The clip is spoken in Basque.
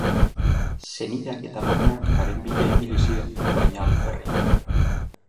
Senideak eta lagunak haren bila ibili ziren, baina alferrik.